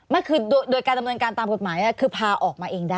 ไม่คือโดยการดำเนินการตามกฎหมายคือพาออกมาเองได้